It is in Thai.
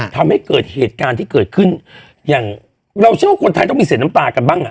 ทำให้เกิดเหตุการณ์ที่เกิดขึ้นอย่างเราเชื่อว่าคนไทยต้องมีเสียน้ำตากันบ้างอ่ะ